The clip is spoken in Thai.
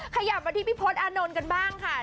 ขยับมาที่พี่พศอานนท์กันบ้างค่ะ